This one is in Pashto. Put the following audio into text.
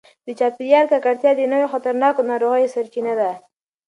د چاپیریال ککړتیا د نویو او خطرناکو ناروغیو سرچینه ده.